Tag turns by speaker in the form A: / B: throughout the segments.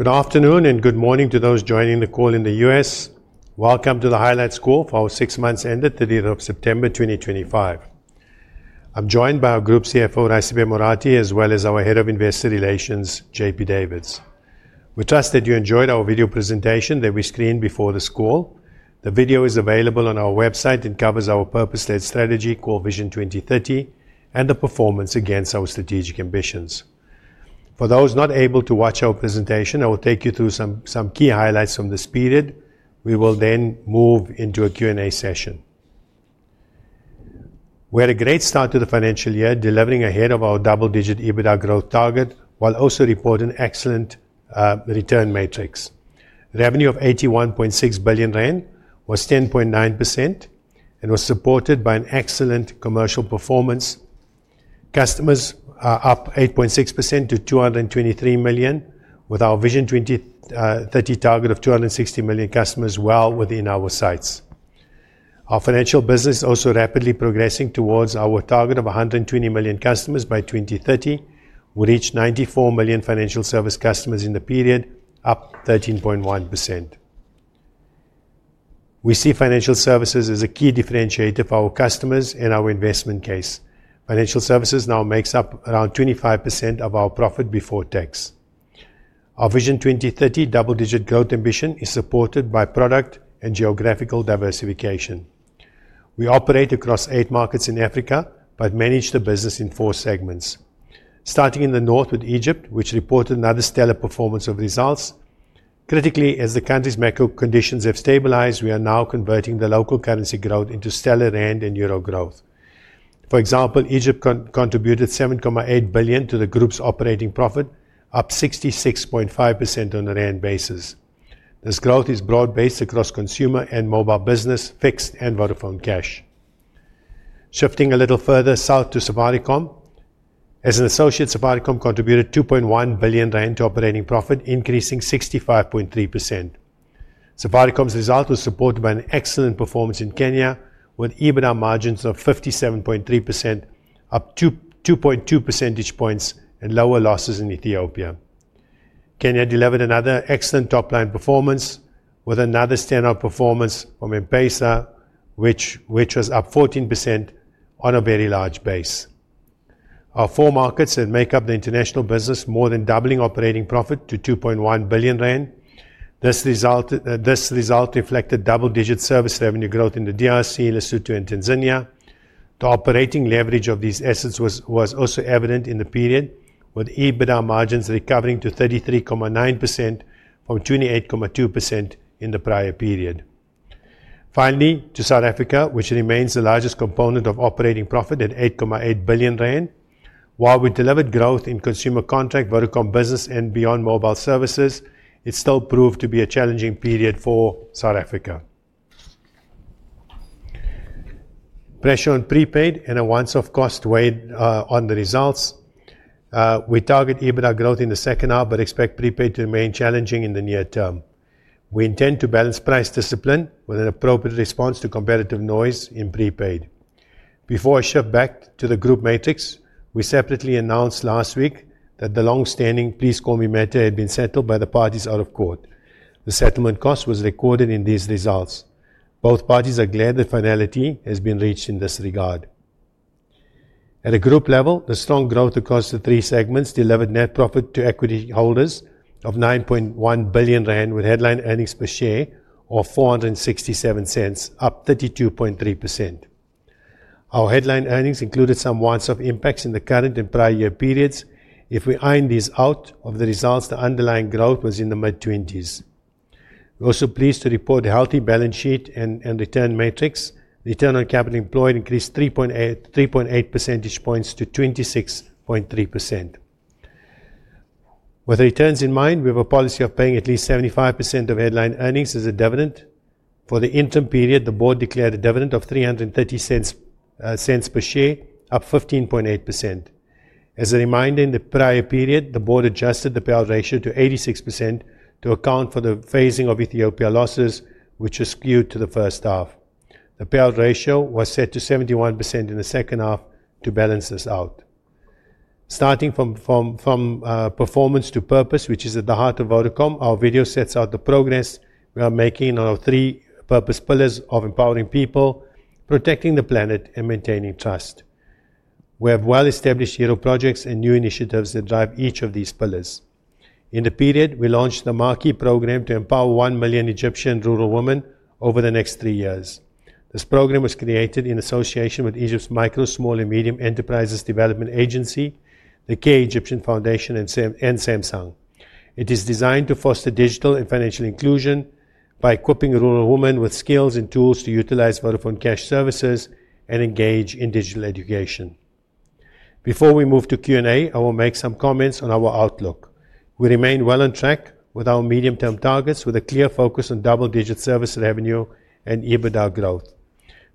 A: Good afternoon and good morning to those joining the call in the U.S. Welcome to the Highlights Call for our six months ended the date of September 2025. I'm joined by our Group CFO, Raisibe Morathi, as well as our Head of Investor Relations, JP Davids. We trust that you enjoyed our video presentation that we screened before this call. The video is available on our website and covers our purpose-led strategy, Core Vision 2030, and the performance against our strategic ambitions. For those not able to watch our presentation, I will take you through some key highlights from this period. We will then move into a Q&A session. We had a great start to the financial year, delivering ahead of our double-digit EBITDA growth target while also reporting excellent return metrics. Revenue of 81.6 billion rand was up 10.9% and was supported by an excellent commercial performance. Customers are up 8.6% to 223 million, with our Vision 2030 target of 260 million customers well within our sights. Our financial business is also rapidly progressing towards our target of 120 million customers by 2030. We reached 94 million financial service customers in the period, up 13.1%. We see financial services as a key differentiator for our customers and our investment case. Financial services now makes up around 25% of our profit before tax. Our Vision 2030 double-digit growth ambition is supported by product and geographical diversification. We operate across eight markets in Africa but manage the business in four segments, starting in the north with Egypt, which reported another stellar performance of results. Critically, as the country's macro conditions have stabilized, we are now converting the local currency growth into stellar rand and euro growth. For example, Egypt contributed 7.8 billion to the Group's operating profit, up 66.5% on a rand basis. This growth is broad-based across consumer and mobile business, fixed and Vodafone Cash. Shifting a little further south to Safaricom. As an associate, Safaricom contributed 2.1 billion rand to operating profit, increasing 65.3%. Safaricom's result was supported by an excellent performance in Kenya, with EBITDA margins of 57.3%, up 2.2 percentage points, and lower losses in Ethiopia. Kenya delivered another excellent top-line performance, with another standout performance from M-Pesa, which was up 14% on a very large base. Our four markets that make up the international business more than doubling operating profit to 2.1 billion rand. This result reflected double-digit service revenue growth in the DRC, Lesotho, and Tanzania. The operating leverage of these assets was also evident in the period, with EBITDA margins recovering to 33.9% from 28.2% in the prior period. Finally, to South Africa, which remains the largest component of operating profit at 8.8 billion rand. While we delivered growth in consumer contract, Vodacom business, and beyond mobile services, it still proved to be a challenging period for South Africa. Pressure on prepaid and a once-off cost weighed on the results. We target EBITDA growth in the second half but expect prepaid to remain challenging in the near term. We intend to balance price discipline with an appropriate response to competitive noise in prepaid. Before I shift back to the Group Matrix, we separately announced last week that the long-standing Please Call Me matter had been settled by the parties out of court. The settlement cost was recorded in these results. Both parties are glad the finality has been reached in this regard. At a Group level, the strong growth across the three segments delivered net profit to equity holders of 9.1 billion rand, with headline earnings per share of 467, up 32.3%. Our headline earnings included some once-off impacts in the current and prior year periods. If we iron these out of the results, the underlying growth was in the mid-20s. We're also pleased to report a healthy balance sheet and return matrix. Return on capital employed increased 3.8 percentage points to 26.3%. With returns in mind, we have a policy of paying at least 75% of headline earnings as a dividend. For the interim period, the board declared a dividend of 330 per share, up 15.8%. As a reminder, in the prior period, the board adjusted the payout ratio to 86% to account for the phasing of Ethiopia losses, which was skewed to the first half. The payout ratio was set to 71% in the second half to balance this out. Starting from performance to purpose, which is at the heart of Vodacom, our video sets out the progress we are making on our three purpose pillars of empowering people, protecting the planet, and maintaining trust. We have well-established hero projects and new initiatives that drive each of these pillars. In the period, we launched the Maaki program to empower one million Egyptian rural women over the next three years. This program was created in association with Egypt's Micro, Small, and Medium Enterprises Development Agency, the K. Egyptian Foundation, and Samsung. It is designed to foster digital and financial inclusion by equipping rural women with skills and tools to utilize Vodafone Cash services and engage in digital education. Before we move to Q&A, I will make some comments on our outlook. We remain well on track with our medium-term targets, with a clear focus on double-digit service revenue and EBITDA growth.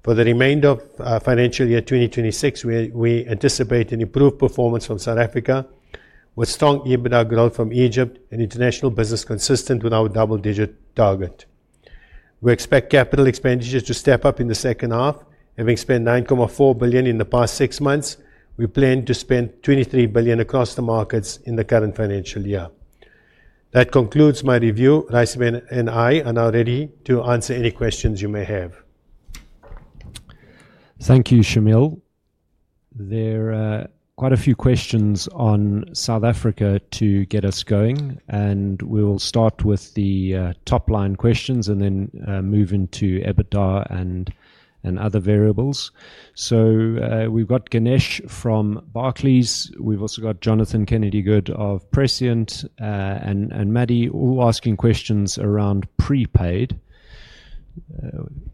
A: For the remainder of financial year 2026, we anticipate an improved performance from South Africa, with strong EBITDA growth from Egypt and international business consistent with our double-digit target. We expect capital expenditures to step up in the second half. Having spent 9.4 billion in the past six months, we plan to spend 23 billion across the markets in the current financial year. That concludes my review. Raisibe and I are now ready to answer any questions you may have.
B: Thank you, Shameel. There are quite a few questions on South Africa to get us going, and we will start with the top-line questions and then move into EBITDA and other variables. We have Ganesh from Barclays. We have also got Jonathan Kennedy Good of Precient and Maddie, all asking questions around prepaid.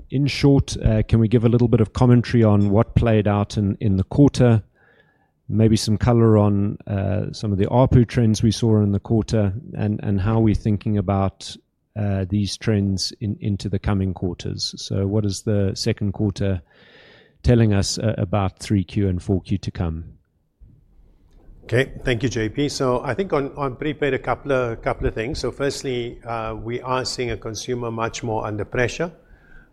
B: In short, can we give a little bit of commentary on what played out in the quarter, maybe some color on some of the ARPU trends we saw in the quarter and how we are thinking about these trends into the coming quarters? What is the second quarter telling us about 3Q and 4Q to come?
A: Okay, thank you, JP. I think on prepaid, a couple of things. Firstly, we are seeing a consumer much more under pressure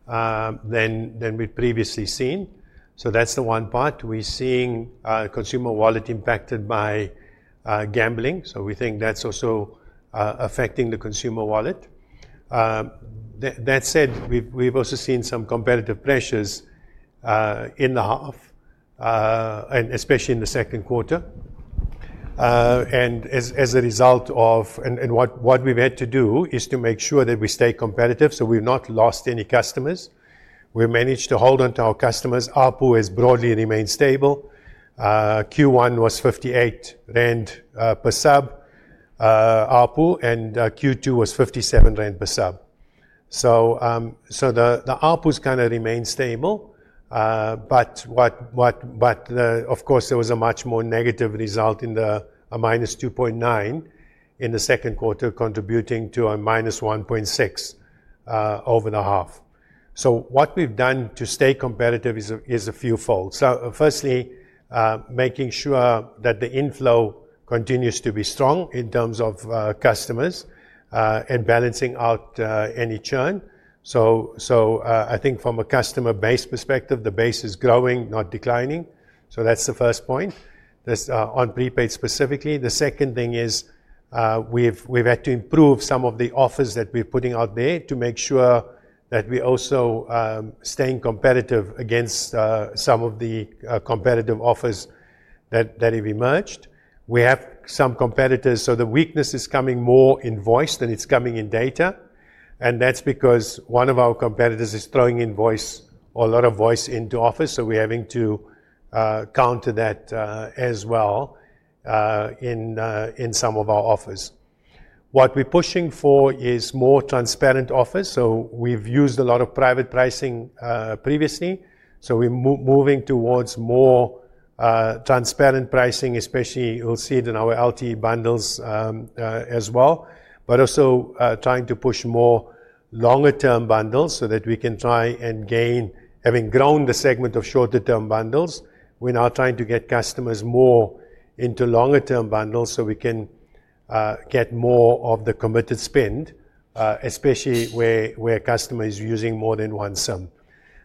A: than we've previously seen. That's the one part. We're seeing consumer wallet impacted by gambling. We think that's also affecting the consumer wallet. That said, we've also seen some competitive pressures in the half, especially in the second quarter. As a result of, and what we've had to do is to make sure that we stay competitive so we've not lost any customers. We've managed to hold onto our customers. ARPU has broadly remained stable. Q1 was 58 rand per sub ARPU, and Q2 was 57 rand per sub. The ARPUs kind of remain stable. Of course, there was a much more negative result in the minus 2.9% in the second quarter, contributing to a minus 1.6% over the half. What we have done to stay competitive is a few fold. Firstly, making sure that the inflow continues to be strong in terms of customers and balancing out any churn. I think from a customer base perspective, the base is growing, not declining. That is the first point. On prepaid specifically, the second thing is we have had to improve some of the offers that we are putting out there to make sure that we are also staying competitive against some of the competitive offers that have emerged. We have some competitors, so the weakness is coming more in voice than it is coming in data. That is because one of our competitors is throwing in a lot of voice into offers. We are having to counter that as well in some of our offers. What we are pushing for is more transparent offers. We have used a lot of private pricing previously. We're moving towards more transparent pricing, especially you'll see it in our LTE bundles as well. Also trying to push more longer-term bundles so that we can try and gain, having grown the segment of shorter-term bundles, we're now trying to get customers more into longer-term bundles so we can get more of the committed spend, especially where a customer is using more than one SIM.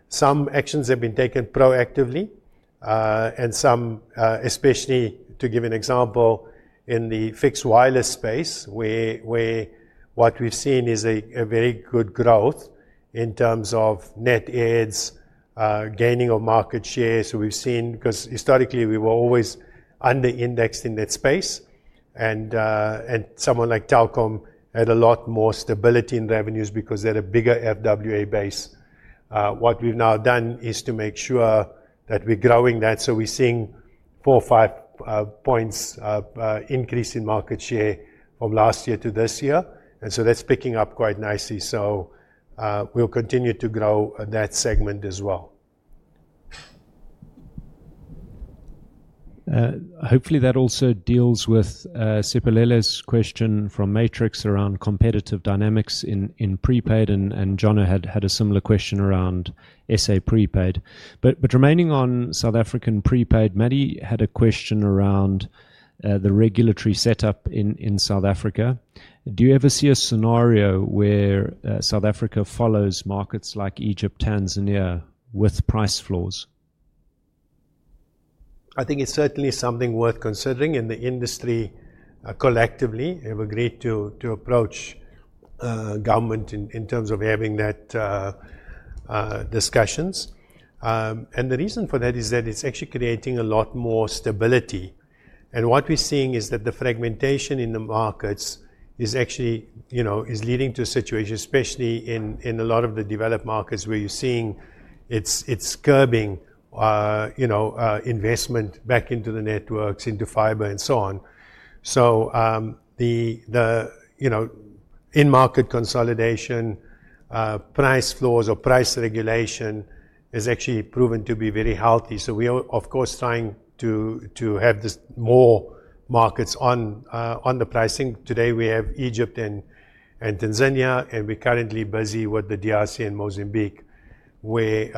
A: Some actions have been taken proactively, and some, especially to give an example in the fixed wireless space, where what we've seen is a very good growth in terms of net adds, gaining of market share. We've seen, because historically we were always under-indexed in that space, and someone like Telkom had a lot more stability in revenues because they had a bigger FWA base. What we've now done is to make sure that we're growing that. We're seeing four or five percentage points increase in market share from last year to this year. That's picking up quite nicely. We'll continue to grow that segment as well.
C: Hopefully that also deals with Sipolele's question from Matrix around competitive dynamics in prepaid, and John had a similar question around SA prepaid. Remaining on South African prepaid, Maddie had a question around the regulatory setup in South Africa. Do you ever see a scenario where South Africa follows markets like Egypt, Tanzania with price floors?
A: I think it's certainly something worth considering, and the industry collectively have agreed to approach government in terms of having that discussions. The reason for that is that it's actually creating a lot more stability. What we're seeing is that the fragmentation in the markets is actually leading to a situation, especially in a lot of the developed markets, where you're seeing it's curbing investment back into the networks, into fiber, and so on. In-market consolidation, price floors or price regulation has actually proven to be very healthy. We are, of course, trying to have more markets on the pricing. Today we have Egypt and Tanzania, and we're currently busy with the DRC and Mozambique, where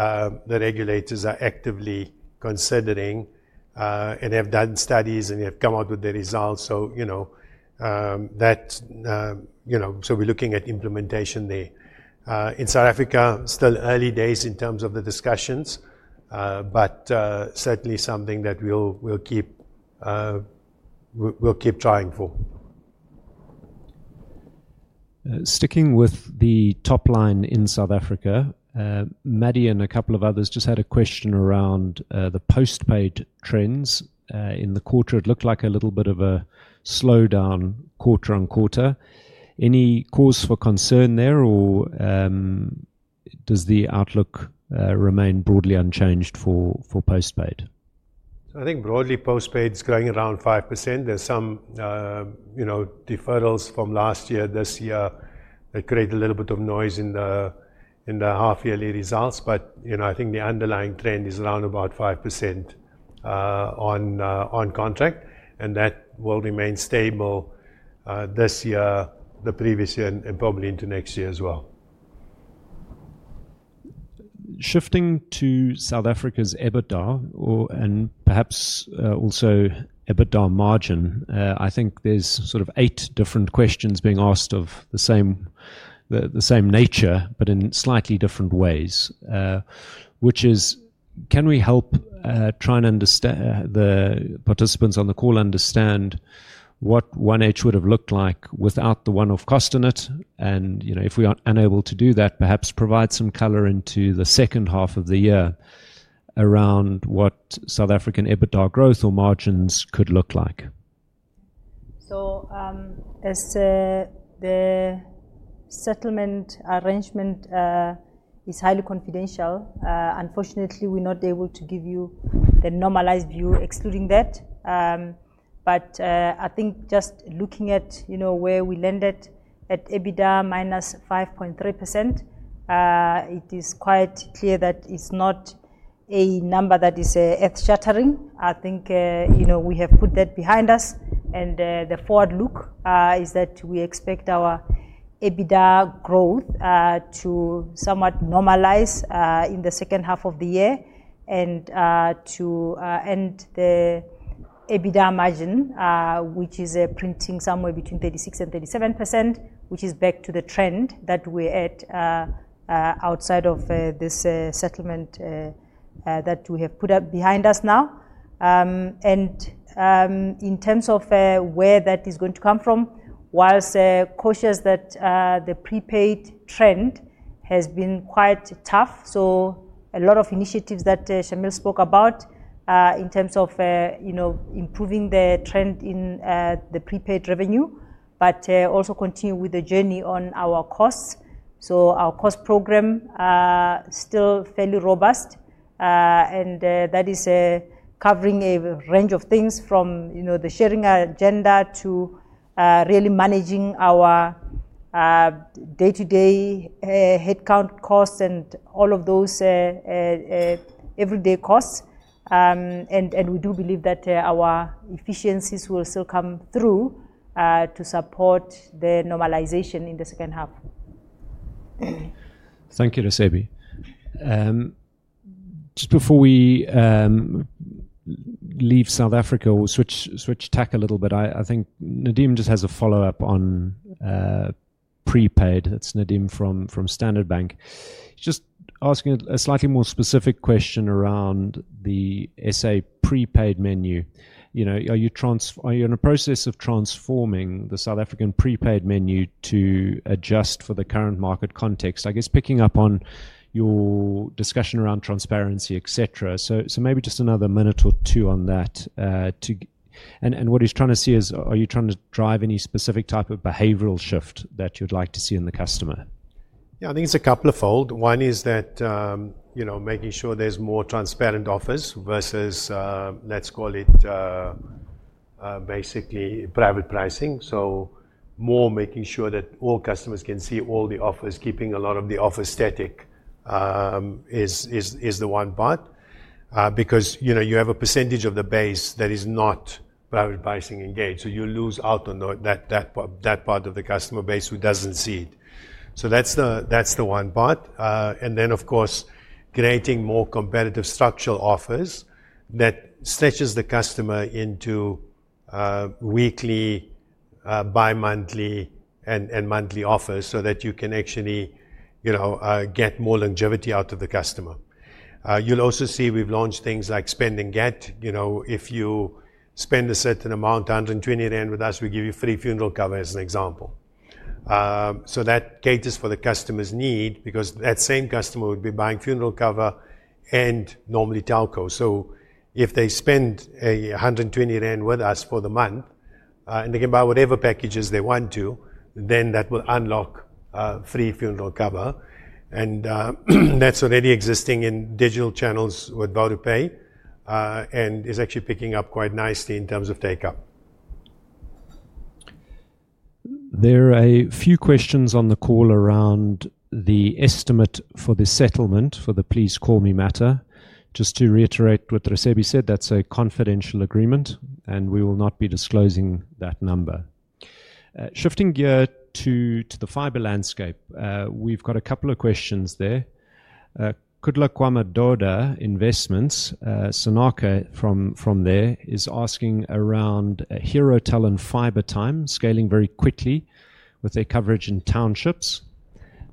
A: the regulators are actively considering and have done studies, and they have come out with their results. We're looking at implementation there. In South Africa, still early days in terms of the discussions, but certainly something that we'll keep trying for.
B: Sticking with the top line in South Africa, Maddie and a couple of others just had a question around the postpaid trends. In the quarter, it looked like a little bit of a slowdown quarter on quarter. Any cause for concern there, or does the outlook remain broadly unchanged for postpaid?
A: I think broadly postpaid is growing around 5%. There are some deferrals from last year, this year, that created a little bit of noise in the half-yearly results. I think the underlying trend is around about 5% on contract, and that will remain stable this year, the previous year, and probably into next year as well.
B: Shifting to South Africa's EBITDA and perhaps also EBITDA margin, I think there's sort of eight different questions being asked of the same nature, but in slightly different ways, which is, can we help try and understand the participants on the call understand what 1H would have looked like without the one-off cost on it? If we are unable to do that, perhaps provide some color into the second half of the year around what South African EBITDA growth or margins could look like.
C: The settlement arrangement is highly confidential. Unfortunately, we're not able to give you the normalized view excluding that. I think just looking at where we landed at EBITDA minus 5.3%, it is quite clear that it's not a number that is earth-shattering. I think we have put that behind us. The forward look is that we expect our EBITDA growth to somewhat normalize in the second half of the year and to end the EBITDA margin, which is printing somewhere between 36%-37%, which is back to the trend that we're at outside of this settlement that we have put up behind us now. In terms of where that is going to come from, whilst cautious that the prepaid trend has been quite tough. A lot of initiatives that Shameel spoke about in terms of improving the trend in the prepaid revenue, but also continue with the journey on our costs. Our cost program is still fairly robust, and that is covering a range of things from the sharing agenda to really managing our day-to-day headcount costs and all of those everyday costs. We do believe that our efficiencies will still come through to support the normalization in the second half.
B: Thank you, Raisibe. Just before we leave South Africa, we'll switch tack a little bit. I think Nadeem just has a follow-up on prepaid. That's Nadeem from Standard Bank. Just asking a slightly more specific question around the SA prepaid menu. Are you in the process of transforming the South African prepaid menu to adjust for the current market context? I guess picking up on your discussion around transparency, et cetera. Maybe just another minute or two on that. What he's trying to see is, are you trying to drive any specific type of behavioral shift that you'd like to see in the customer?
A: Yeah, I think it's a couple of fold. One is that making sure there's more transparent offers versus, let's call it basically private pricing. More making sure that all customers can see all the offers, keeping a lot of the offers static is the one part, because you have a percentage of the base that is not private pricing engaged. You lose out on that part of the customer base who doesn't see it. That's the one part. Of course, creating more competitive structural offers that stretches the customer into weekly, bimonthly, and monthly offers so that you can actually get more longevity out of the customer. You'll also see we've launched things like spend and get. If you spend a certain amount, 120 rand with us, we give you free funeral cover as an example. That caters for the customer's need because that same customer would be buying funeral cover and normally Telco. If they spend 120 rand with us for the month, and they can buy whatever packages they want to, that will unlock free funeral cover. That is already existing in digital channels with Vodacom and is actually picking up quite nicely in terms of take-up.
B: There are a few questions on the call around the estimate for the settlement for the Please Call Me matter. Just to reiterate what Raisibe said, that's a confidential agreement, and we will not be disclosing that number. Shifting gear to the fiber landscape, we've got a couple of questions there. Kgomaraga Morathi Investments, Sanaaka from there, is asking around HeroNet fiber time, scaling very quickly with their coverage in townships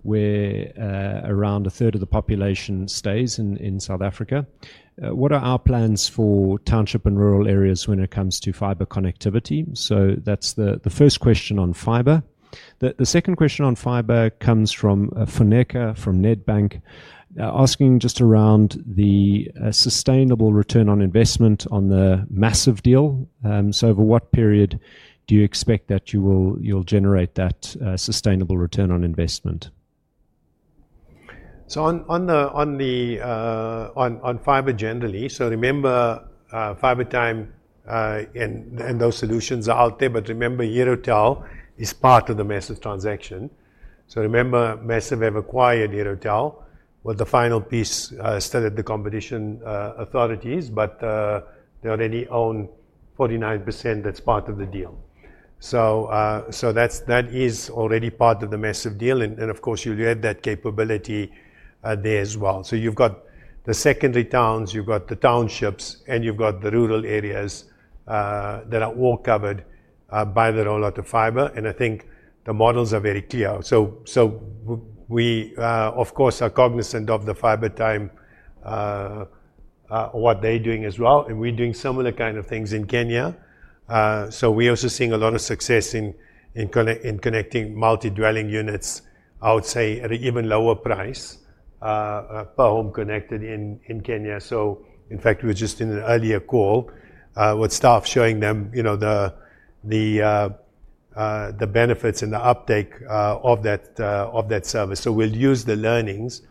B: where around a third of the population stays in South Africa. What are our plans for township and rural areas when it comes to fiber connectivity? That is the first question on fiber. The second question on fiber comes from Funeka from Nedbank, asking just around the sustainable return on investment on the massive deal. Over what period do you expect that you'll generate that sustainable return on investment?
A: On fiber generally, remember Fiber Time and those solutions are out there, but remember HeroNet is part of the massive transaction. Remember, HeroNet has been acquired by HeroNet with the final piece still at the competition authorities, but they already own 49% as part of the deal. That is already part of the massive deal. Of course, you will have that capability there as well. You have the secondary towns, you have the townships, and you have the rural areas that are all covered by the rollout of fiber. I think the models are very clear. We, of course, are cognizant of Fiber Time, what they are doing as well. We are doing similar kind of things in Kenya. We're also seeing a lot of success in connecting multi-dwelling units, I would say, at an even lower price per home connected in Kenya. In fact, we were just in an earlier call with staff showing them the benefits and the uptake of that service. We'll use the learnings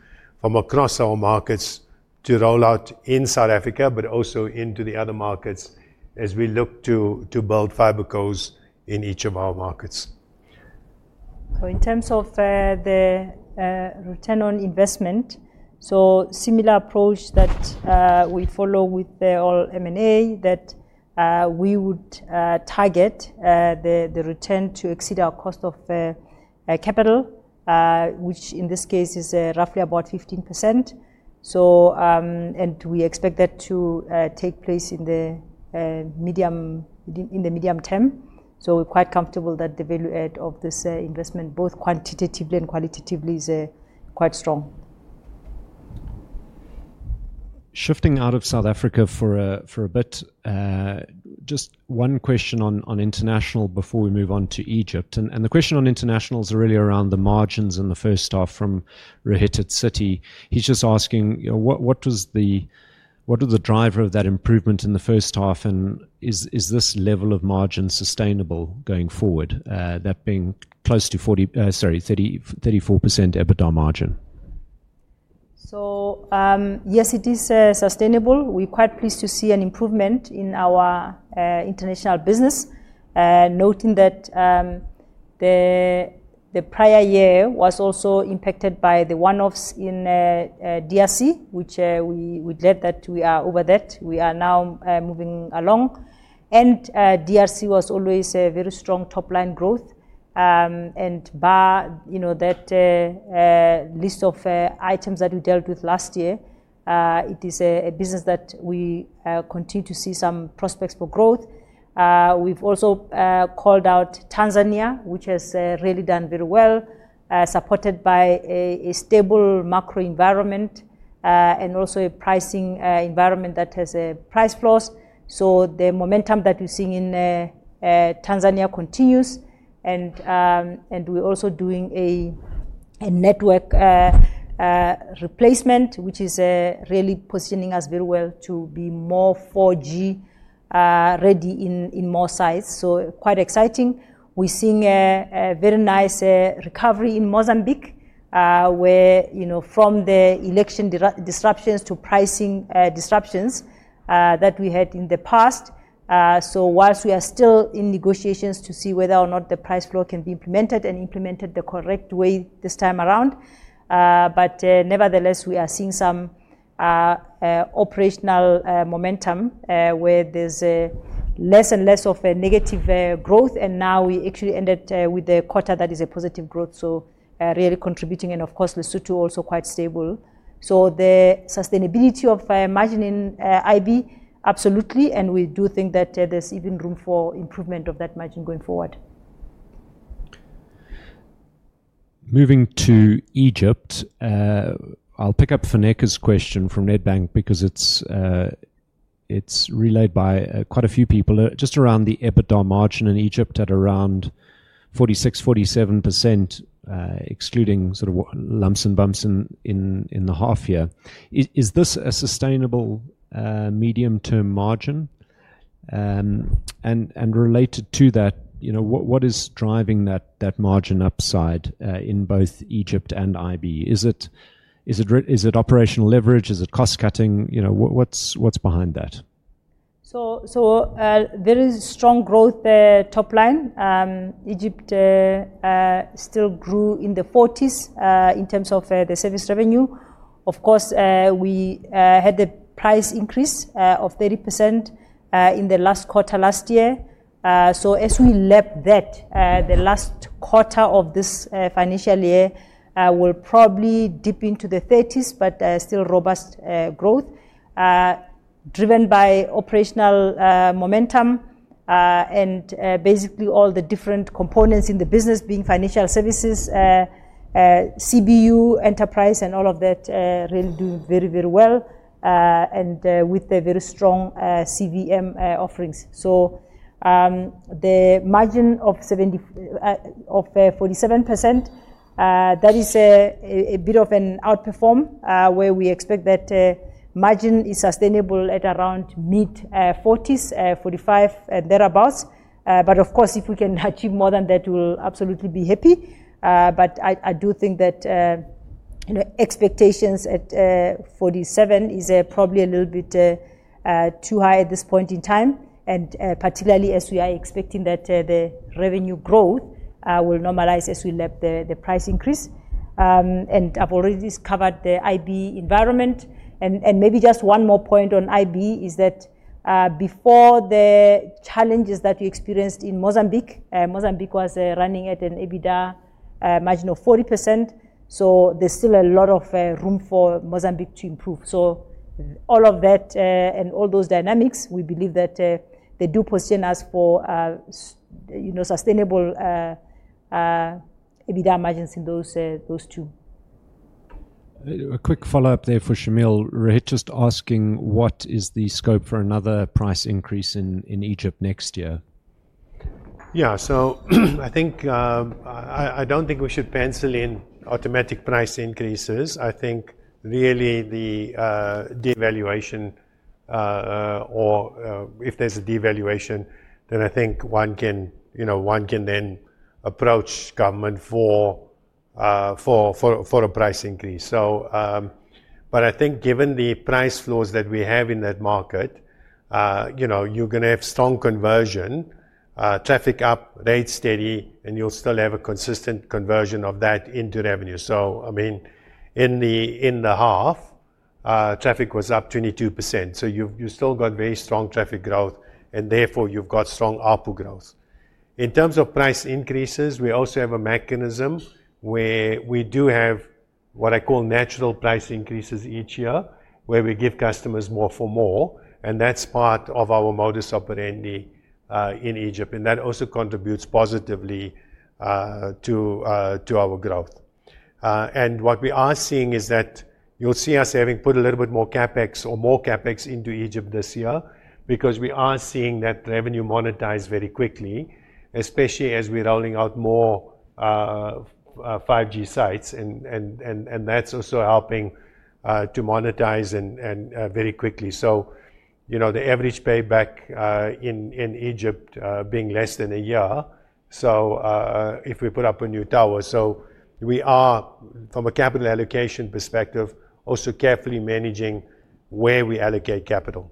A: from across our markets to roll out in South Africa, but also into the other markets as we look to build fiber cores in each of our markets.
C: In terms of the return on investment, a similar approach that we follow with all M&A is that we would target the return to exceed our cost of capital, which in this case is roughly about 15%. We expect that to take place in the medium term. We are quite comfortable that the value add of this investment, both quantitatively and qualitatively, is quite strong.
B: Shifting out of South Africa for a bit, just one question on international before we move on to Egypt. The question on international is really around the margins in the first half from Rohit at Citigroup. He's just asking, what was the driver of that improvement in the first half? Is this level of margin sustainable going forward, that being close to 34% EBITDA margin?
C: Yes, it is sustainable. We're quite pleased to see an improvement in our international business, noting that the prior year was also impacted by the one-offs in DRC, which we're glad that we are over that. We are now moving along. DRC was always a very strong top-line growth. Bar that list of items that we dealt with last year, it is a business that we continue to see some prospects for growth. We've also called out Tanzania, which has really done very well, supported by a stable macro environment and also a pricing environment that has price floors. The momentum that we're seeing in Tanzania continues. We're also doing a network replacement, which is really positioning us very well to be more 4G ready in more sites. Quite exciting. We're seeing a very nice recovery in Mozambique, where from the election disruptions to pricing disruptions that we had in the past. Whilst we are still in negotiations to see whether or not the price floor can be implemented and implemented the correct way this time around. Nevertheless, we are seeing some operational momentum where there's less and less of a negative growth. Now we actually ended with a quarter that is a positive growth, so really contributing. Of course, Lesotho also quite stable. The sustainability of margin in IB, absolutely. We do think that there's even room for improvement of that margin going forward.
B: Moving to Egypt, I'll pick up Funeka's question from Nedbank because it's relayed by quite a few people just around the EBITDA margin in Egypt at around 46%-47%, excluding sort of lumps and bumps in the half year. Is this a sustainable medium-term margin? Related to that, what is driving that margin upside in both Egypt and IB? Is it operational leverage? Is it cost cutting? What's behind that?
C: There is strong growth top-line. Egypt still grew in the 40% range in terms of the service revenue. Of course, we had the price increase of 30% in the last quarter last year. As we lap that, the last quarter of this financial year will probably dip into the 30% range, but still robust growth driven by operational momentum and basically all the different components in the business being financial services, CBU, enterprise, and all of that really doing very, very well and with the very strong CVM offerings. The margin of 47% is a bit of an outperform where we expect that margin is sustainable at around mid-40%, 45% and thereabouts. Of course, if we can achieve more than that, we'll absolutely be happy. I do think that expectations at 47 is probably a little bit too high at this point in time, particularly as we are expecting that the revenue growth will normalize as we lap the price increase. I have already discovered the IB environment. Maybe just one more point on IB is that before the challenges that we experienced in Mozambique, Mozambique was running at an EBITDA margin of 40%. There is still a lot of room for Mozambique to improve. All of that and all those dynamics, we believe that they do position us for sustainable EBITDA margins in those two.
B: A quick follow-up there for Shameel. Rohit just asking, what is the scope for another price increase in Egypt next year?
A: Yeah, so I think I do not think we should pencil in automatic price increases. I think really the devaluation or if there is a devaluation, then I think one can then approach government for a price increase. I think given the price floors that we have in that market, you are going to have strong conversion, traffic up, rate steady, and you will still have a consistent conversion of that into revenue. I mean, in the half, traffic was up 22%. You have still got very strong traffic growth, and therefore you have got strong output growth. In terms of price increases, we also have a mechanism where we do have what I call natural price increases each year where we give customers more for more. That is part of our modus operandi in Egypt. That also contributes positively to our growth. What we are seeing is that you'll see us having put a little bit more CapEx or more CapEx into Egypt this year because we are seeing that revenue monetize very quickly, especially as we're rolling out more 5G sites. That is also helping to monetize very quickly. The average payback in Egypt is less than a year if we put up a new tower. We are, from a capital allocation perspective, also carefully managing where we allocate capital.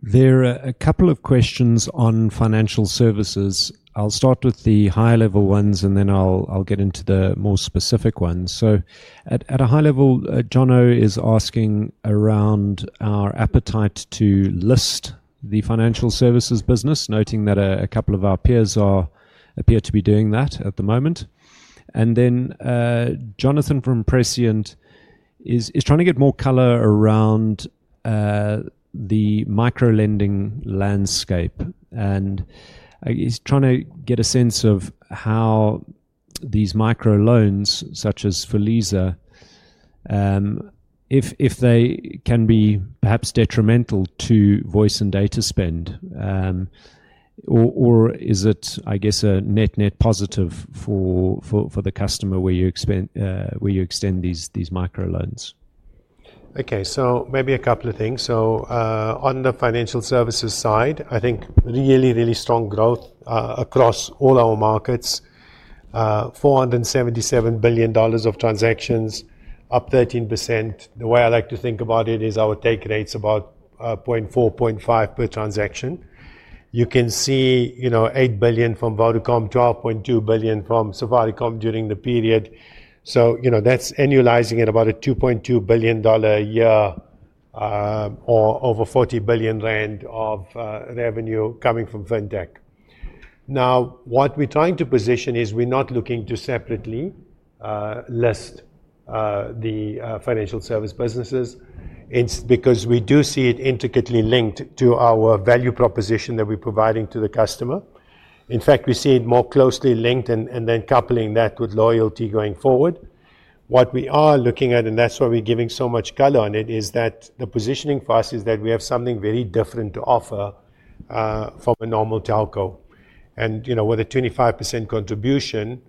B: There are a couple of questions on financial services. I'll start with the high-level ones and then I'll get into the more specific ones. At a high level, Jono is asking around our appetite to list the financial services business, noting that a couple of our peers appear to be doing that at the moment. Jonathan from Precient is trying to get more color around the microlending landscape. He's trying to get a sense of how these microloans, such as Filiza, if they can be perhaps detrimental to voice and data spend, or is it, I guess, a net-net positive for the customer where you extend these microloans?
A: Okay, so maybe a couple of things. On the financial services side, I think really, really strong growth across all our markets, $477 billion of transactions, up 13%. The way I like to think about it is our take rate's about 0.4-0.5% per transaction. You can see $8 billion from Vodacom, $12.2 billion from Safaricom during the period. That is annualizing at about $2.2 billion a year or over 40 billion rand of revenue coming from fintech. What we are trying to position is we are not looking to separately list the financial service businesses because we do see it intricately linked to our value proposition that we are providing to the customer. In fact, we see it more closely linked and then coupling that with loyalty going forward. What we are looking at, and that's why we're giving so much color on it, is that the positioning for us is that we have something very different to offer from a normal telco, and with a 25% contribution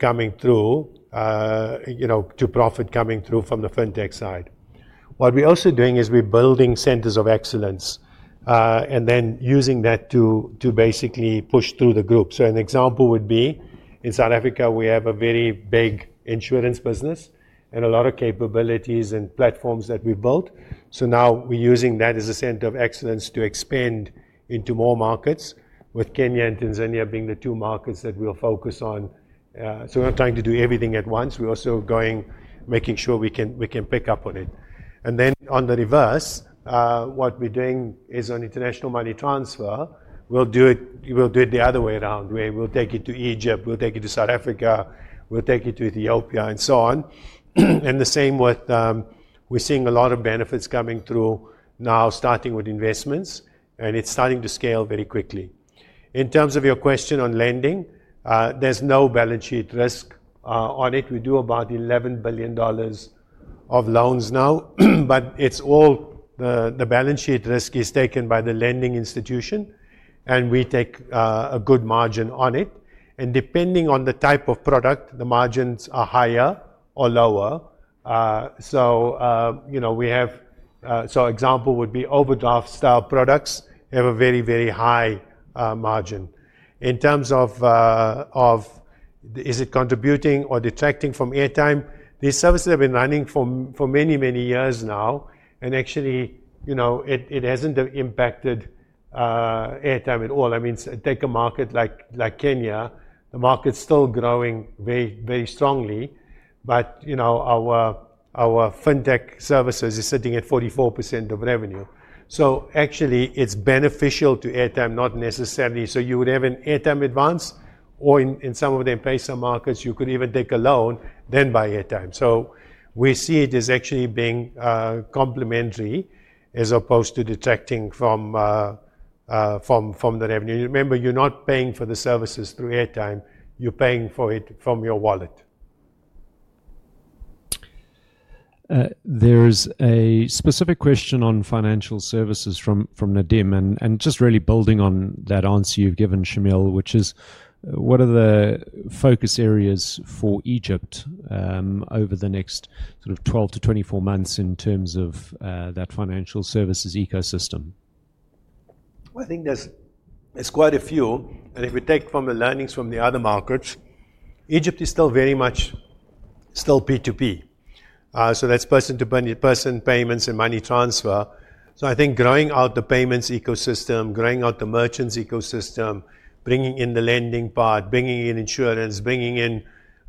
A: coming through to profit coming through from the fintech side. What we're also doing is we're building centers of excellence and then using that to basically push through the group. An example would be in South Africa, we have a very big insurance business and a lot of capabilities and platforms that we built. Now we're using that as a center of excellence to expand into more markets, with Kenya and Tanzania being the two markets that we'll focus on. We're not trying to do everything at once. We're also making sure we can pick up on it. On the reverse, what we are doing is on international money transfer, we will do it the other way around, where we will take it to Egypt, we will take it to South Africa, we will take it to Ethiopia, and so on. The same with we are seeing a lot of benefits coming through now, starting with investments, and it is starting to scale very quickly. In terms of your question on lending, there is no balance sheet risk on it. We do about $11 billion of loans now, but all the balance sheet risk is taken by the lending institution, and we take a good margin on it. Depending on the type of product, the margins are higher or lower. For example, Overdraft-style products have a very, very high margin. In terms of is it contributing or detracting from airtime, these services have been running for many, many years now, and actually it has not impacted airtime at all. I mean, take a market like Kenya. The market is still growing very strongly, but our fintech services are sitting at 44% of revenue. So actually, it is beneficial to airtime, not necessarily. You would have an Airtime Advance, or in some of the empirical markets, you could even take a loan, then buy airtime. We see it as actually being complementary as opposed to detracting from the revenue. Remember, you are not paying for the services through airtime. You are paying for it from your wallet.
B: There's a specific question on financial services from Nadeem, and just really building on that answer you've given, Shameel, which is, what are the focus areas for Egypt over the next sort of 12 to 24 months in terms of that financial services ecosystem?
A: I think there's quite a few. If we take from the learnings from the other markets, Egypt is still very much still P2P. That's person-to-person payments and money transfer. I think growing out the payments ecosystem, growing out the merchants ecosystem, bringing in the lending part, bringing in insurance, bringing in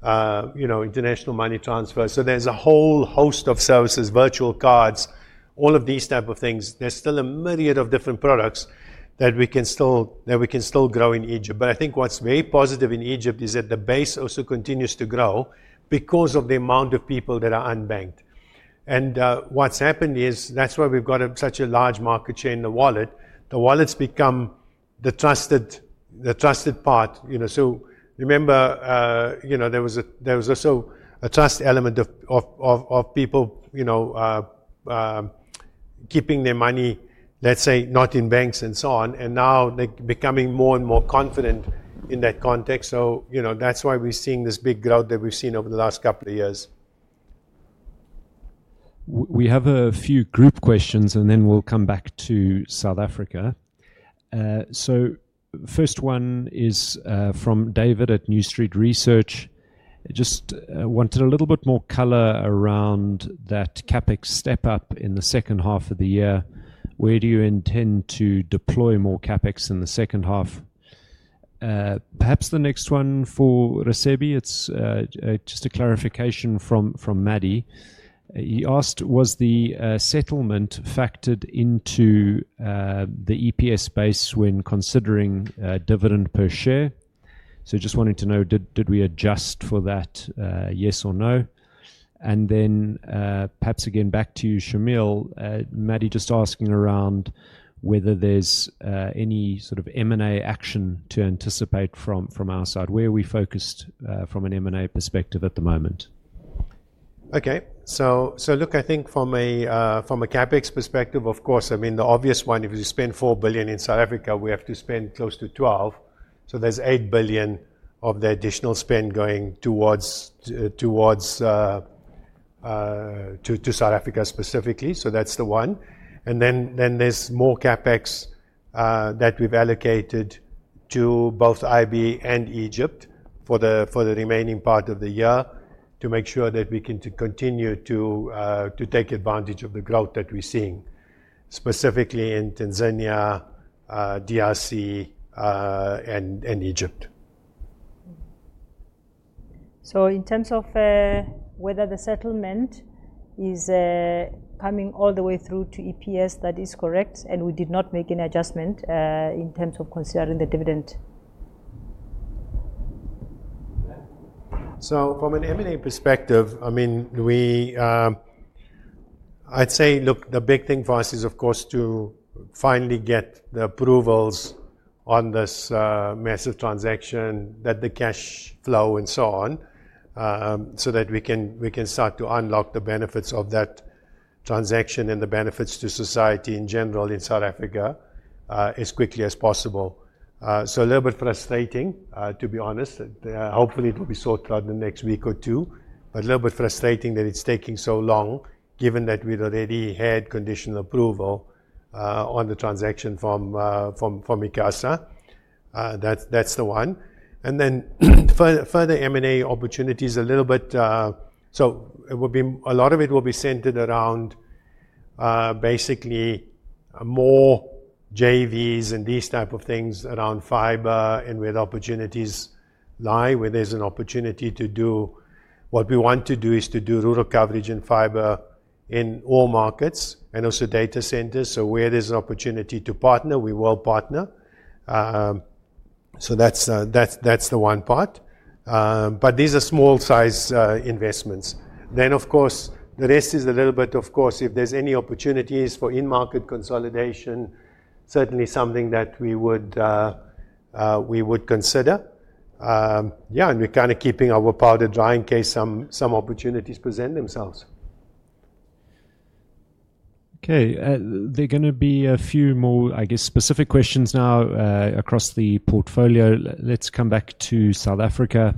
A: international money transfer. There's a whole host of services, virtual cards, all of these type of things. There's still a myriad of different products that we can still grow in Egypt. I think what's very positive in Egypt is that the base also continues to grow because of the amount of people that are unbanked. What's happened is that's why we've got such a large market share in the wallet. The wallet's become the trusted part. Remember, there was also a trust element of people keeping their money, let's say, not in banks and so on, and now they're becoming more and more confident in that context. That's why we're seeing this big growth that we've seen over the last couple of years.
B: We have a few group questions, and then we'll come back to South Africa. The first one is from David at New Street Research. Just wanted a little bit more color around that CapEx step-up in the second half of the year. Where do you intend to deploy more CapEx in the second half? Perhaps the next one for Raisibe, it's just a clarification from Maddie. He asked, was the settlement factored into the EPS base when considering dividend per share? Just wanting to know, did we adjust for that? Yes or no? Then perhaps again back to you, Shameel. Maddie just asking around whether there's any sort of M&A action to anticipate from our side. Where are we focused from an M&A perspective at the moment?
A: Okay, so look, I think from a CapEx perspective, of course, I mean, the obvious one, if you spend $4 billion in South Africa, we have to spend close to $12 billion. So there is $8 billion of the additional spend going towards South Africa specifically. That is the one. Then there is more CapEx that we have allocated to both IB and Egypt for the remaining part of the year to make sure that we can continue to take advantage of the growth that we are seeing, specifically in Tanzania, DRC, and Egypt.
C: In terms of whether the settlement is coming all the way through to EPS, that is correct, and we did not make any adjustment in terms of considering the dividend.
A: From an M&A perspective, I mean, I'd say, look, the big thing for us is, of course, to finally get the approvals on this massive transaction, that the cash flow and so on, so that we can start to unlock the benefits of that transaction and the benefits to society in general in South Africa as quickly as possible. A little bit frustrating, to be honest. Hopefully, it will be sorted out in the next week or two, but a little bit frustrating that it's taking so long, given that we'd already had conditional approval on the transaction from ICASA. That's the one. Further M&A opportunities, a little bit, so a lot of it will be centered around basically more JVs and these type of things around fiber and where the opportunities lie, where there is an opportunity to do what we want to do is to do rural coverage and fiber in all markets and also data centers. Where there is an opportunity to partner, we will partner. That is the one part. These are small-sized investments. Of course, the rest is a little bit, of course, if there are any opportunities for in-market consolidation, certainly something that we would consider. Yeah, and we are kind of keeping our powder dry in case some opportunities present themselves.
B: Okay, there are going to be a few more, I guess, specific questions now across the portfolio. Let's come back to South Africa.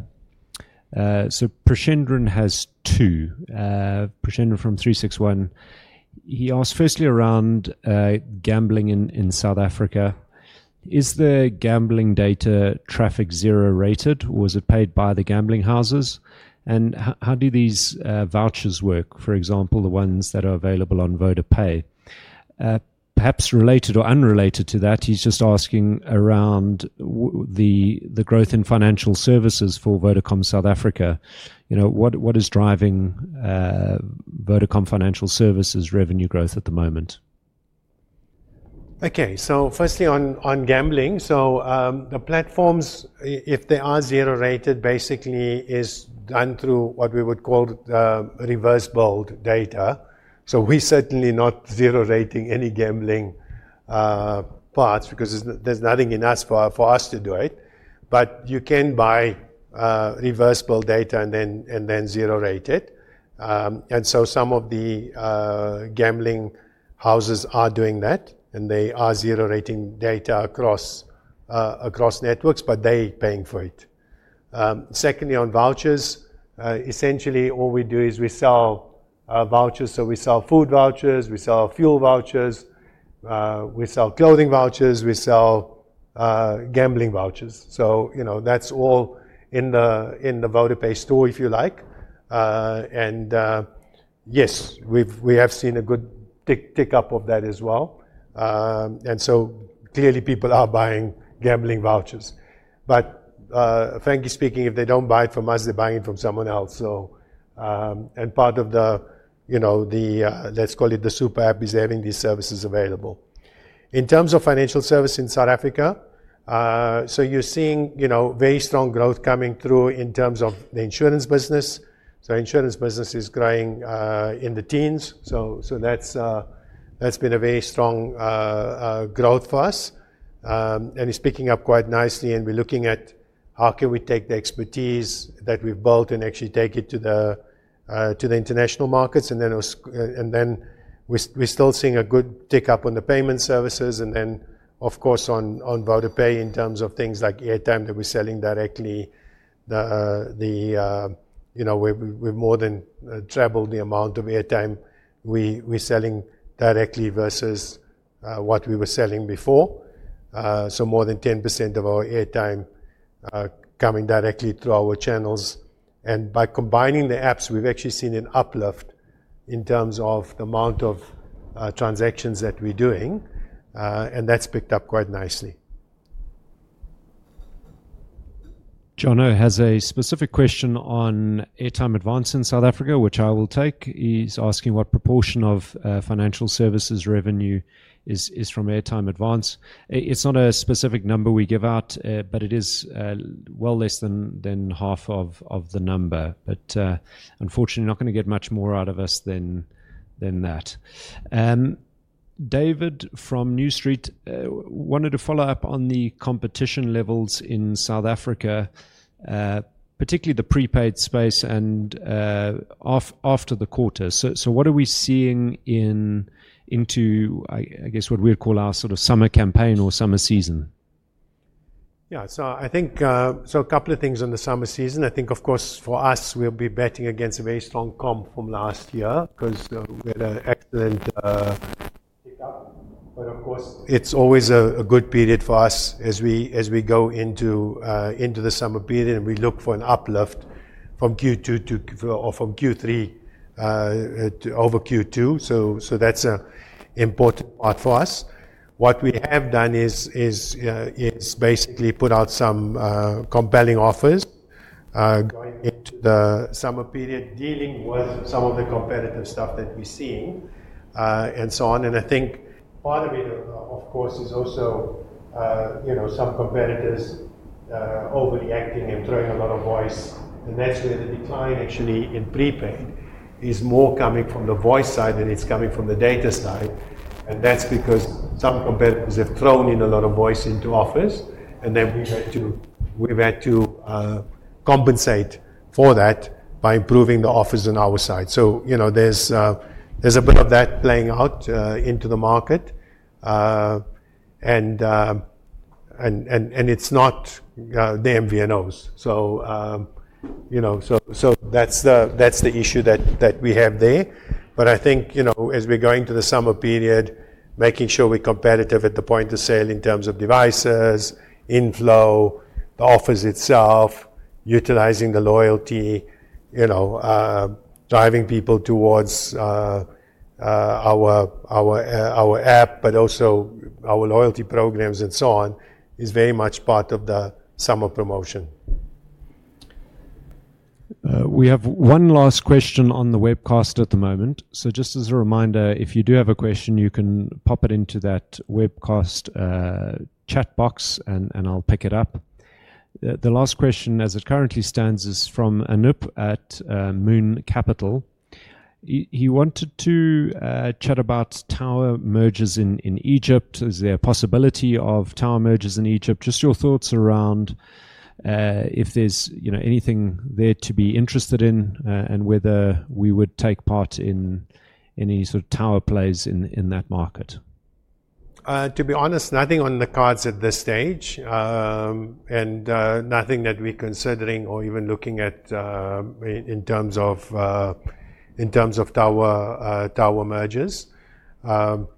B: Prashendran has two, Prashendran from 361. He asked firstly around gambling in South Africa. Is the gambling data traffic zero rated, or is it paid by the gambling houses? How do these vouchers work, for example, the ones that are available on Vodacom? Perhaps related or unrelated to that, he's just asking around the growth in financial services for Vodacom South Africa. What is driving Vodacom Financial Services' revenue growth at the moment?
A: Okay, so firstly on gambling, the platforms, if they are zero rated, basically it is done through what we would call reverse-billed data. We are certainly not zero rating any gambling parts because there is nothing in it for us to do it. You can buy reverse-billed data and then zero rate it. Some of the gambling houses are doing that, and they are zero rating data across networks, but they are paying for it. Secondly, on vouchers, essentially all we do is we sell vouchers. We sell food vouchers, we sell fuel vouchers, we sell clothing vouchers, we sell gambling vouchers. That is all in the Vodacom store, if you like. Yes, we have seen a good tick up of that as well. Clearly, people are buying gambling vouchers. Frankly speaking, if they do not buy it from us, they are buying it from someone else. Part of the, let's call it the super app, is having these services available. In terms of financial service in South Africa, you are seeing very strong growth coming through in terms of the insurance business. Insurance business is growing in the teens. That has been a very strong growth for us. It is picking up quite nicely, and we are looking at how we can take the expertise that we have built and actually take it to the international markets. We are still seeing a good tick up on the payment services. Of course, on Vodacom in terms of things like airtime that we are selling directly, we have more than doubled the amount of airtime we are selling directly versus what we were selling before. More than 10% of our airtime coming directly through our channels. By combining the apps, we've actually seen an uplift in terms of the amount of transactions that we're doing, and that's picked up quite nicely.
B: Jono has a specific question on Airtime Advance in South Africa, which I will take. He's asking what proportion of financial services revenue is from Airtime Advance. It's not a specific number we give out, but it is well less than half of the number. Unfortunately, not going to get much more out of us than that. David from New Street wanted to follow up on the competition levels in South Africa, particularly the prepaid space and after the quarter. What are we seeing into, I guess, what we'd call our sort of summer campaign or summer season?
A: Yeah, I think a couple of things in the summer season. Of course, for us, we'll be betting against a very strong comp from last year because we had an excellent pickup. Of course, it's always a good period for us as we go into the summer period, and we look for an uplift from Q3 over Q2. That's an important part for us. What we have done is basically put out some compelling offers going into the summer period, dealing with some of the competitive stuff that we're seeing and so on. I think part of it, of course, is also some competitors overreacting and throwing a lot of voice. That's where the decline actually in prepaid is more coming from the voice side than it's coming from the data side. That is because some competitors have thrown in a lot of voice into offers, and then we have had to compensate for that by improving the offers on our side. There is a bit of that playing out into the market, and it is not the MVNOs. That is the issue that we have there. I think as we are going into the summer period, making sure we are competitive at the point of sale in terms of devices, inflow, the offers itself, utilizing the loyalty, driving people towards our app, but also our loyalty programs and so on is very much part of the summer promotion.
B: We have one last question on the webcast at the moment. Just as a reminder, if you do have a question, you can pop it into that webcast chat box, and I'll pick it up. The last question, as it currently stands, is from Anoop at Moon Capital. He wanted to chat about tower mergers in Egypt. Is there a possibility of tower mergers in Egypt? Just your thoughts around if there's anything there to be interested in and whether we would take part in any sort of tower plays in that market?
A: To be honest, nothing on the cards at this stage, and nothing that we're considering or even looking at in terms of tower mergers.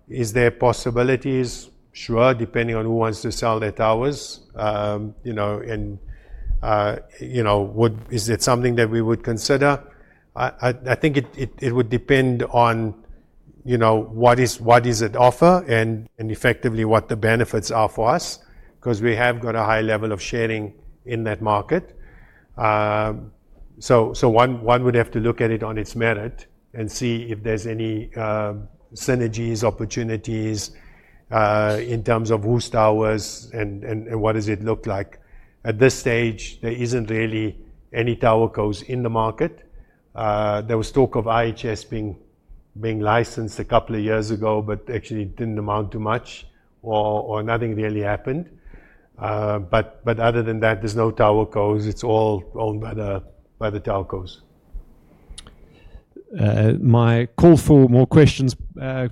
A: Is there possibilities? Sure, depending on who wants to sell their towers. Is it something that we would consider? I think it would depend on what is at offer and effectively what the benefits are for us because we have got a high level of sharing in that market. One would have to look at it on its merit and see if there's any synergies, opportunities in terms of whose towers and what does it look like. At this stage, there isn't really any tower codes in the market. There was talk of IHS being licensed a couple of years ago, but actually it didn't amount to much or nothing really happened. Other than that, there's no tower codes. It's all owned by the TowerCos.
B: My call for more questions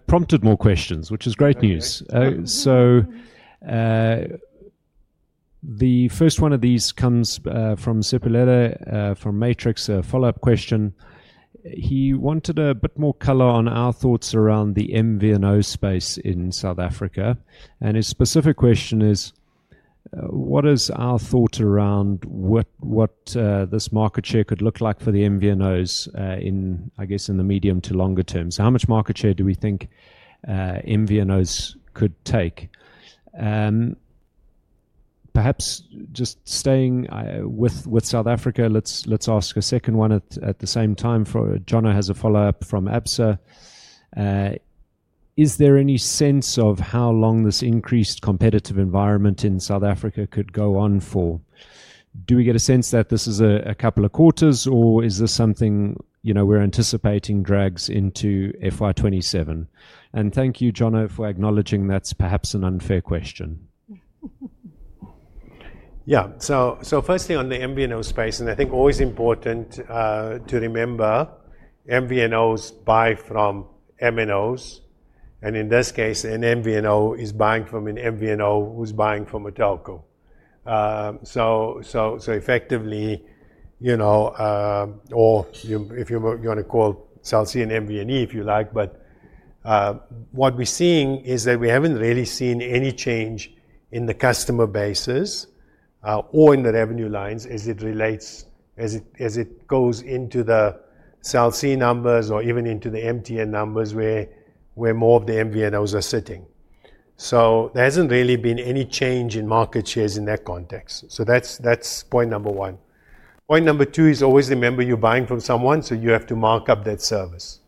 B: prompted more questions, which is great news. The first one of these comes from Sipolele, from Matrix, a follow-up question. He wanted a bit more color on our thoughts around the MVNO space in South Africa. His specific question is, what is our thought around what this market share could look like for the MVNOs in, I guess, in the medium to longer term? How much market share do we think MVNOs could take? Perhaps just staying with South Africa, let's ask a second one at the same time. Jono has a follow-up from Absa. Is there any sense of how long this increased competitive environment in South Africa could go on for? Do we get a sense that this is a couple of quarters, or is this something we're anticipating drags into FY 2027? Thank you, Jono, for acknowledging that's perhaps an unfair question.
A: Yeah, so firstly on the MVNO space, and I think always important to remember, MVNOs buy from MNOs. In this case, an MVNO is buying from an MVNO who's buying from a telco. Effectively, or if you want to call it, I'll see an MVNE if you like. What we're seeing is that we haven't really seen any change in the customer bases or in the revenue lines as it relates, as it goes into the SALC numbers or even into the MTN numbers where more of the MVNOs are sitting. There hasn't really been any change in market shares in that context. That's point number one. Point number two is always remember you're buying from someone, so you have to mark up that service.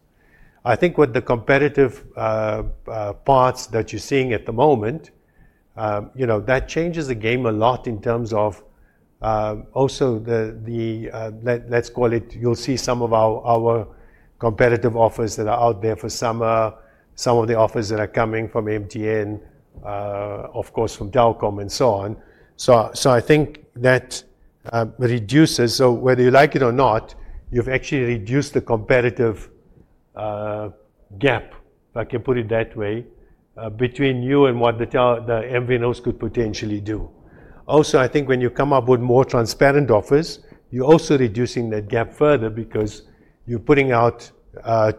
A: I think with the competitive parts that you're seeing at the moment, that changes the game a lot in terms of also the, let's call it, you'll see some of our competitive offers that are out there for summer, some of the offers that are coming from MTN, of course, from Telkom, and so on. I think that reduces, so whether you like it or not, you've actually reduced the competitive gap, if I can put it that way, between you and what the MVNOs could potentially do. Also, I think when you come up with more transparent offers, you're also reducing that gap further because you're putting out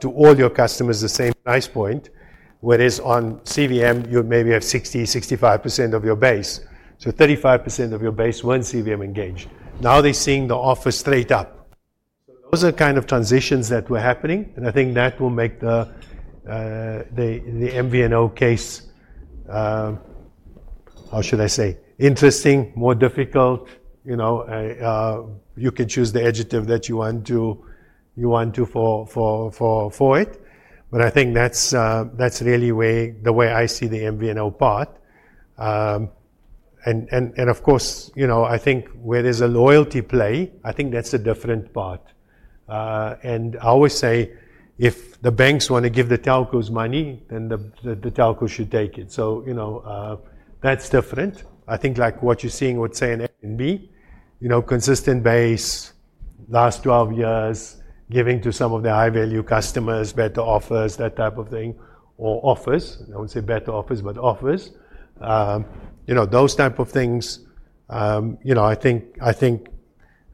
A: to all your customers the same price point, whereas on CVM, you maybe have 60-65% of your base. So 35% of your base when CVM engaged. Now they're seeing the offer straight up. Those are kind of transitions that were happening, and I think that will make the MVNO case, how should I say, interesting, more difficult. You can choose the adjective that you want to for it. I think that is really the way I see the MVNO part. Of course, I think where there is a loyalty play, I think that is a different part. I always say, if the banks want to give the telcos money, then the telcos should take it. That is different. I think like what you are seeing with, say, an FNB, consistent base last 12 years, giving to some of their high-value customers better offers, that type of thing, or offers. I would not say better offers, but offers. Those type of things, I think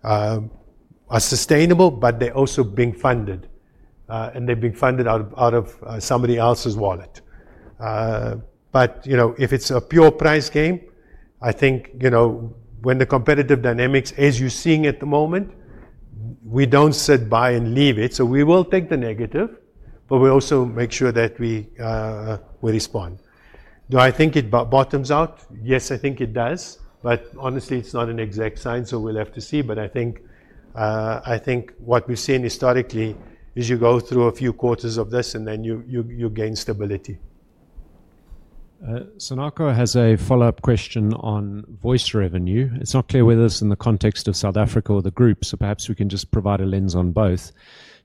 A: are sustainable, but they are also being funded, and they are being funded out of somebody else's wallet. If it's a pure price game, I think when the competitive dynamics, as you're seeing at the moment, we don't sit by and leave it. We will take the negative, but we also make sure that we respond. Do I think it bottoms out? Yes, I think it does. Honestly, it's not an exact sign, so we'll have to see. I think what we've seen historically is you go through a few quarters of this, and then you gain stability.
B: Sonoco has a follow-up question on voice revenue. It's not clear whether it's in the context of South Africa or the group, so perhaps we can just provide a lens on both.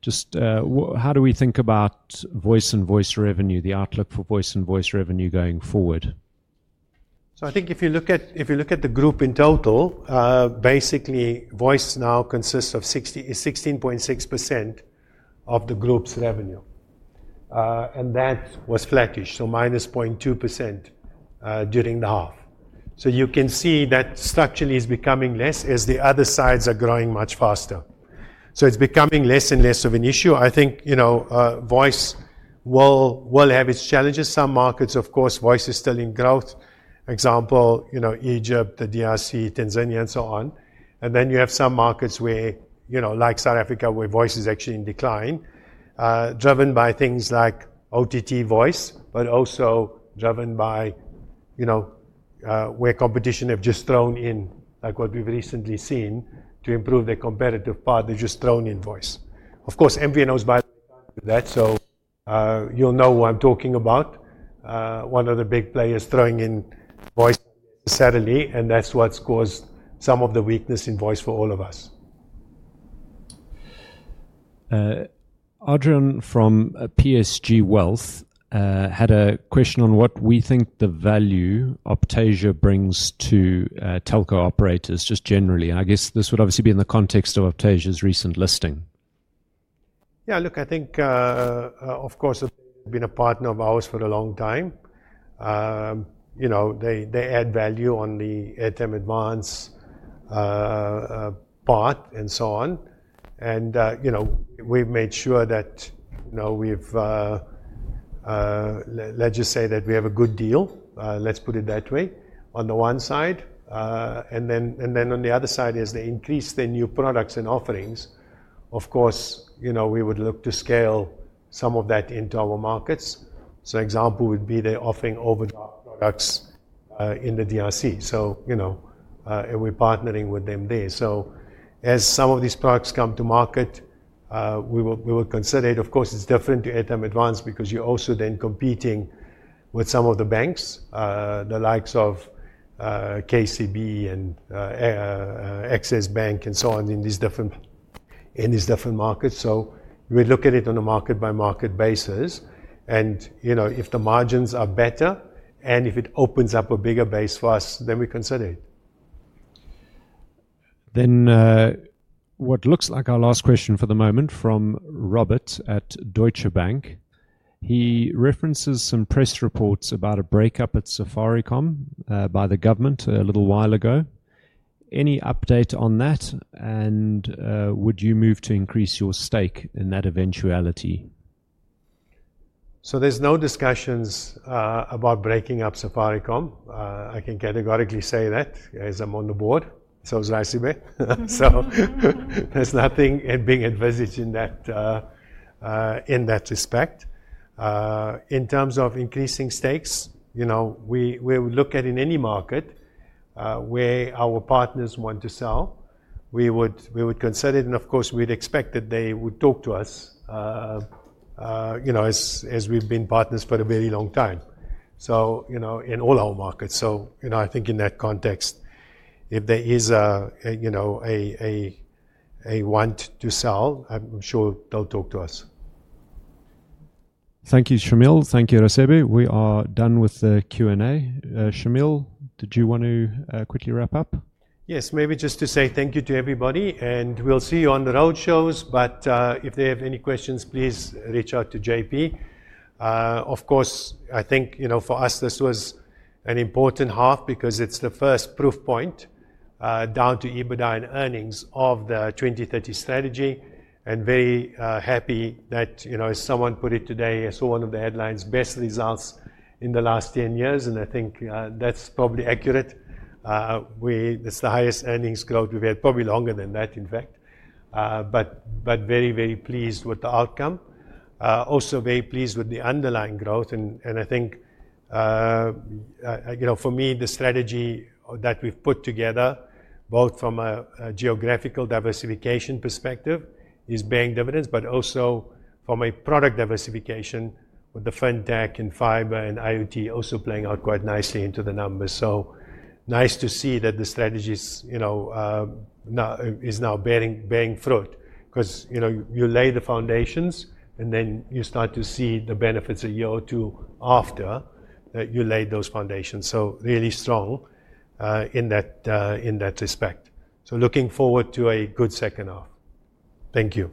B: Just how do we think about voice and voice revenue, the outlook for voice and voice revenue going forward?
A: I think if you look at the group in total, basically, voice now consists of 16.6% of the group's revenue. That was flattish, so minus 0.2% during the half. You can see that structurally it is becoming less as the other sides are growing much faster. It is becoming less and less of an issue. I think voice will have its challenges. Some markets, of course, voice is still in growth. For example, Egypt, the DRC, Tanzania, and so on. You have some markets like South Africa where voice is actually in decline, driven by things like OTT voice, but also driven by where competition have just thrown in, like what we have recently seen to improve their competitive part, they have just thrown in voice. Of course, MVNOs, by the way, cannot do that. You will know who I am talking about. One of the big players throwing in voice necessarily, and that's what's caused some of the weakness in voice for all of us.
B: Adrian from PSG Wealth had a question on what we think the value Optasia brings to telco operators just generally. I guess this would obviously be in the context of Optasia's recent listing.
A: Yeah, look, I think, of course, they've been a partner of ours for a long time. They add value on the Airtime Advance part and so on. We've made sure that we've, let's just say that we have a good deal, let's put it that way, on the one side. On the other side, as they increase their new products and offerings, of course, we would look to scale some of that into our markets. An example would be they're offering overdraft products in the Democratic Republic of Congo. We're partnering with them there. As some of these products come to market, we will consider it. Of course, it's different to Airtime Advance because you're also then competing with some of the banks, the likes of KCB and Access Bank and so on in these different markets. We look at it on a market-by-market basis. If the margins are better and if it opens up a bigger base for us, then we consider it.
B: What looks like our last question for the moment from Robert at Deutsche Bank. He references some press reports about a breakup at Safaricom by the government a little while ago. Any update on that? Would you move to increase your stake in that eventuality?
A: There are no discussions about breaking up Safaricom. I can categorically say that as I am on the board. So is Raisibe. There is nothing being envisaged in that respect. In terms of increasing stakes, we would look at in any market where our partners want to sell, we would consider it. Of course, we would expect that they would talk to us as we have been partners for a very long time, in all our markets. I think in that context, if there is a want to sell, I am sure they will talk to us.
B: Thank you, Shameel. Thank you, Raisibe. We are done with the Q&A. Shameel, did you want to quickly wrap up?
A: Yes, maybe just to say thank you to everybody. We'll see you on the road shows. If they have any questions, please reach out to JP. Of course, I think for us, this was an important half because it's the first proof point down to EBITDA and earnings of the 2030 strategy. Very happy that someone put it today. I saw one of the headlines, best results in the last 10 years. I think that's probably accurate. It's the highest earnings growth we've had, probably longer than that, in fact. Very, very pleased with the outcome. Also very pleased with the underlying growth. I think for me, the strategy that we've put together, both from a geographical diversification perspective, is paying dividends, but also from a product diversification with the fintech and fiber and IoT also playing out quite nicely into the numbers. Nice to see that the strategy is now bearing fruit because you lay the foundations, and then you start to see the benefits a year or two after that you laid those foundations. Really strong in that respect. Looking forward to a good second half. Thank you.